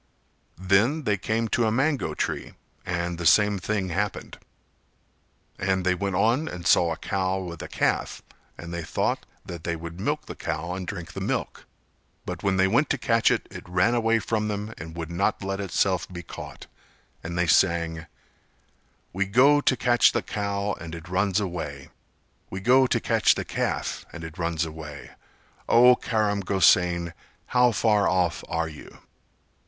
Then they came to a mango tree and the same thing happened. And they went on and saw a cow with a calf; and they thought that they would milk the cow and drink the milk, but when they went to catch it it ran away from them and would not let itself be caught; and they sang: "We go to catch the cow and it runs away, We go to catch the calf and it runs away, O Karam Gosain how far off are you?"